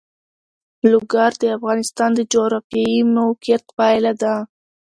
لوگر د افغانستان د جغرافیایي موقیعت پایله ده.